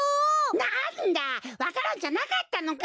なんだわか蘭じゃなかったのか。